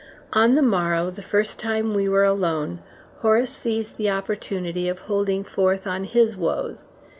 On the morrow, the first time we were alone, Horace seized the opportunity of holding forth on his woes.